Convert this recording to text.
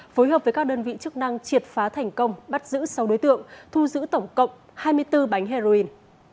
phối hợp với các đơn vị chức năng triệt phá thành công bắt giữ sáu đối tượng thu giữ tổng cộng hai mươi bốn bánh heroin